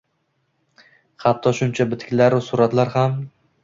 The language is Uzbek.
Hatto shuncha bitiklaru suratlar ham